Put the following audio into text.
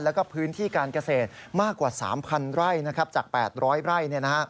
แล้วก็พื้นที่การเกษตรมากกว่า๓๐๐ไร่จาก๘๐๐ไร่